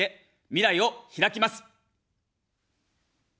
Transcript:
未来をひらきます。